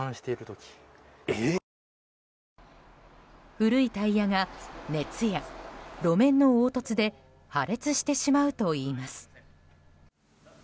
古いタイヤが熱や路面の凹凸で破裂してしまうといいます。